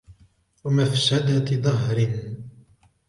وَمَفْسَدَةَ دَهْرٍ